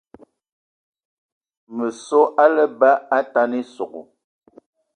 Meso á lebá atane ísogò